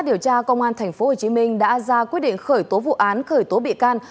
trước đó công an thành phố hồ chí minh đã ra quyết định khởi tố vụ án khởi tố bị can